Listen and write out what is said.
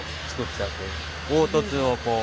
凹凸をこう。